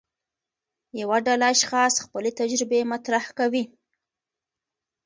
یوه ډله اشخاص خپلې تجربې مطرح کوي.